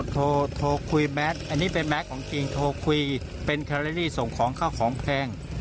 โทรคุยแมทอันนี้เป็นแมสของจริงโทรคุยเป็นแคลอรี่ส่งของเข้าของแพง